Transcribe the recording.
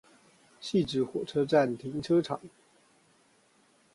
汐止火車站停車場